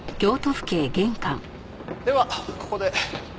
ではここで。